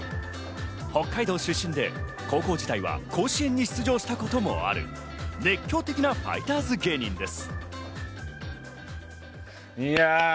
北海道出身で高校時代は甲子園に出場したこともある熱狂的なファイターズ芸人です。